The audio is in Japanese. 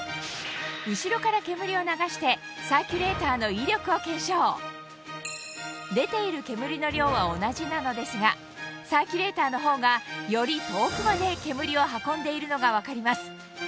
後ろから煙を流して出ている煙の量は同じなのですがサーキュレーターの方がより遠くまで煙を運んでいるのが分かります